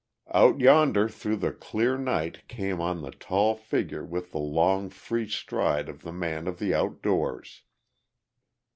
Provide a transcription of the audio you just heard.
Out yonder through the clear night came on the tall figure with the long free stride of the man of the outdoors.